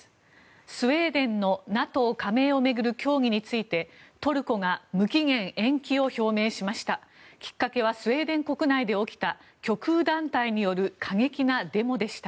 スウェーデンのＮＡＴＯ加盟を巡る協議についてトルコが無期限延期を表明しました。